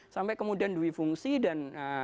sampai kemudian diwifungsi dan